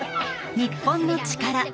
『日本のチカラ』